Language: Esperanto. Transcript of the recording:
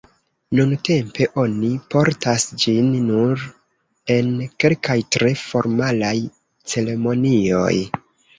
Nuntempe oni portas ĝin nur en kelkaj tre formalaj ceremonioj.